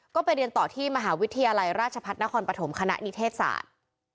ก็ไปเรียนต่อที่มหาวิทยาลัยราชพัฒนครปฐมคณะนิเทศศาสตร์